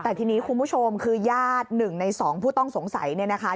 แต่ทีนี้คุณผู้ชมคือญาติ๑ใน๒ผู้ต้องสงสัยเนี่ยนะคะ